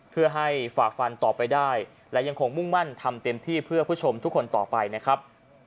เพื่อให้ฝ่าฟันต่อไปได้และยังคงมุ่งมั่นทำเต็มที่เพื่อผู้ชมทุกคนต่อไปนะครับ